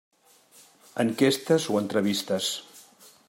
Enquestes o entrevistes.